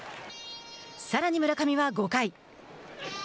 さらに、村上は５回。